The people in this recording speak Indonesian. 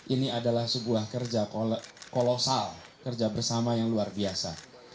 ini adalah sebuah kerja kolosal kerja bersama yang luar biasa